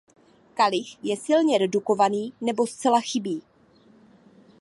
Kalich je silně redukovaný nebo zcela chybí.